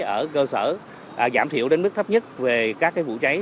ở cơ sở giảm thiểu đến mức thấp nhất về các vụ cháy